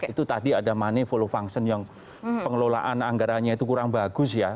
itu tadi ada money follow function yang pengelolaan anggaranya itu kurang bagus ya